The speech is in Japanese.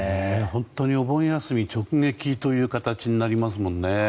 本当にお盆休み直撃という形になりますもんね。